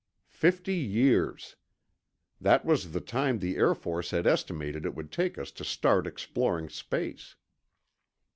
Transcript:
Fifty years. That was the time the Air Force had estimated it would take us to start exploring space.